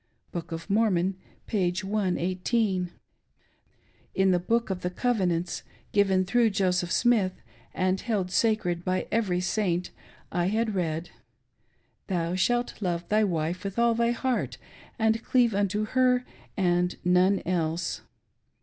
\_Bookof Mormon, p. ii8.] In the Book of the Covenants, given through Joseph Smith, and held sacred by every Saint, I had read :" Thou shalt love thy wife with all thy heart, and cleave unto her and none else."